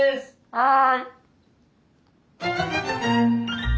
はい。